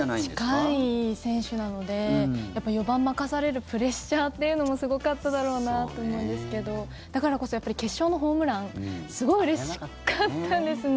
近い選手なので４番任されるプレッシャーというのもすごかっただろうなと思うんですけどだからこそやっぱり決勝のホームランすごいうれしかったですね。